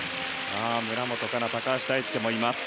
村元哉中、高橋大輔もいます。